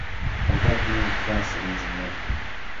هەڵبەت منیش جوان سرنجم نەدا